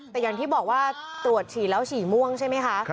แต่อย่างที่บอกว่าตรวจฉี่แล้วฉี่ม่วงใช่ไหมคะ